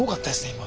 今。